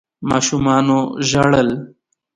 ماشومانو ژړل.